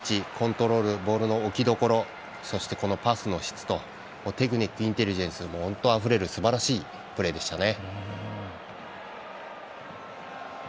ボールを受ける位置コントロールボールの受けどころそして、パスの質とテクニックインテリジェンスあふれるすばらしいプレーでしたね。